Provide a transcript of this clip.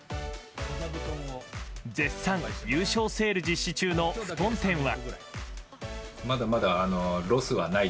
絶賛、優勝セール実施中の布団店は。